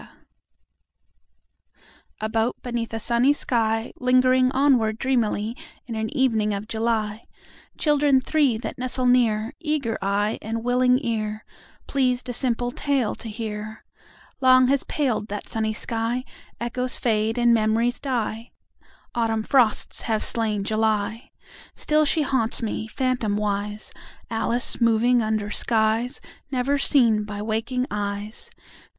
A boat beneath a sunny sky, Lingering onward dreamily In an evening of July— Children three that nestle near, Eager eye and willing ear, Pleased a simple tale to hear— Long has paled that sunny sky: Echoes fade and memories die. Autumn frosts have slain July. Still she haunts me, phantomwise, Alice moving under skies Never seen by waking eyes.